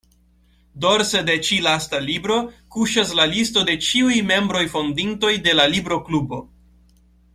Dorse de ĉi-lasta libro kuŝas la listo de ĉiuj membroj-fondintoj de la Libro-Klubo.